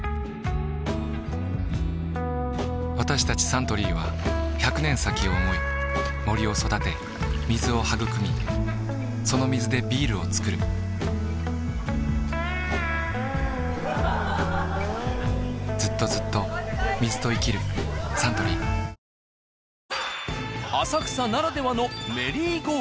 サントリーは１００年先を想い森を育て水をはぐくみその水でビールをつくる・ずっとずっと水と生きるサントリーあらすばらしい。